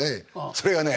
それがね